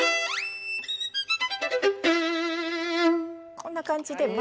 こんな感じで。